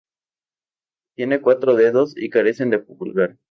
Tienen cuatro dedos y carecen de pulgar.